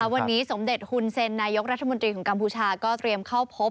วันนี้สมเด็จฮุนเซ็นนายกรัฐมนตรีของกัมพูชาก็เตรียมเข้าพบ